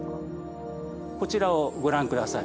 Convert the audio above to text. こちらをご覧下さい。